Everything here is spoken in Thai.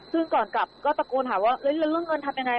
ซึ่งก่อนกลับก็ตะโกนหาว่าเรื่องเงินทำอย่างไร